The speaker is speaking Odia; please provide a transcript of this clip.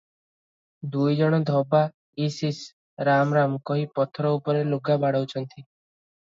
ଦୁଇ ଜଣ ଧୋବା ଇଶ୍ ଇଶ୍, ରାମ ରାମ କହି ପଥର ଉପରେ ଲୁଗା ବାଡ଼ଉଛନ୍ତି ।